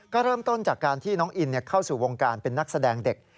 ก็เริ่มต้นจากการที่น้องอินเข้าสู่วงการเป็นนักแสดงเด็ก